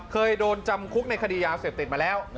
เคยโดนจำคุกในคดียาเสพติดมาแล้ว